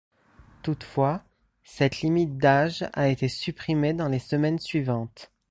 Toutefois, cette limite d'âge a été supprimée dans les semaines suivante.